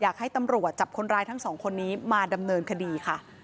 อยากให้ตำรวจจับคนร้ายทั้งสองคนนี้มาดำเนินคดีค่ะ